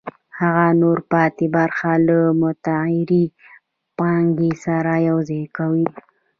هغه نوره پاتې برخه له متغیرې پانګې سره یوځای کوي